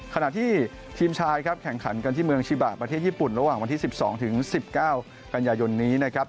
ขณะที่ทีมชายครับแข่งขันกันที่เมืองชิบาประเทศญี่ปุ่นระหว่างวันที่๑๒ถึง๑๙กันยายนนี้นะครับ